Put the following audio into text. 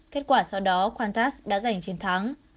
kết quả sau đó qantas đã giành chiến thắng